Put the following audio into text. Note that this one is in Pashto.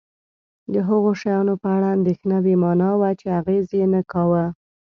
د هغو شیانو په اړه اندېښنه بې مانا وه چې اغېز یې نه کاوه.